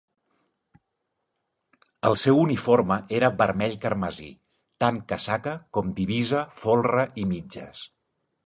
El seu uniforme era vermell carmesí, tant casaca com divisa, folre i mitges.